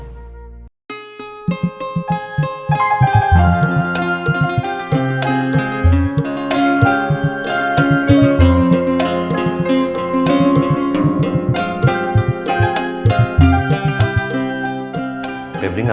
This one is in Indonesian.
amang deh bayi